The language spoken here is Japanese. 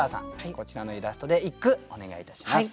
こちらのイラストで一句お願いいたします。